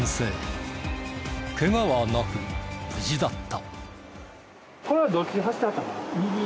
ケガはなく無事だった。